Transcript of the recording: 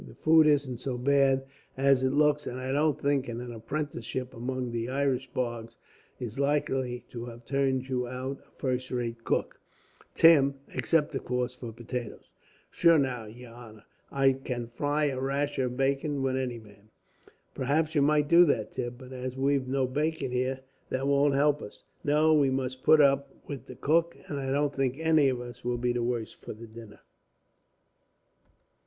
"The food isn't so bad as it looks, and I don't think an apprenticeship among the Irish bogs is likely to have turned you out a first rate cook, Tim; except, of course, for potatoes." "Sure, now, yer honor, I can fry a rasher of bacon with any man." "Perhaps you might do that, Tim, but as we've no bacon here, that won't help us. No, we must put up with the cook, and I don't think any of us will be the worse for the dinner."